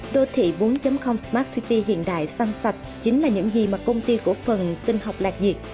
đô thị bốn smart city hiện đại xanh sạch chính là những gì mà công ty của phần kinh học lạc diệt